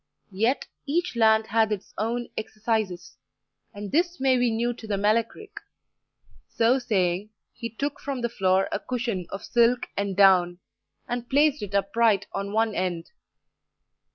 Yet, each land hath its own exercises, and this may be new to the Melech Ric." So saying, he took from the floor a cushion of silk and down, and placed it upright on one end.